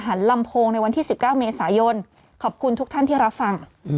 ลำโพงในวันที่๑๙เมษายนขอบคุณทุกท่านที่รับฟัง